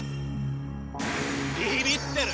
「ビビってる！